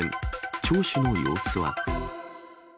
聴取の様子は？